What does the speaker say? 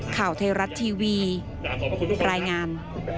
ข่าวไทยรัฐทีวีรายงาน